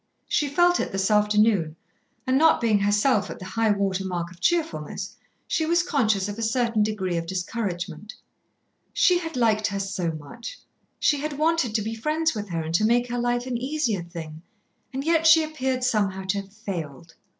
She felt it this afternoon, and not being herself at the high water mark of cheerfulness, she was conscious of a certain degree of discouragement. She had liked her so much, she had wanted to be friends with her and to make her life an easier thing, and yet she appeared somehow to have failed.